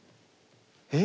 えっ？